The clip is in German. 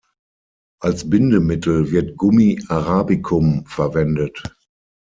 Als Bindemittel wird Gummi arabicum verwendet.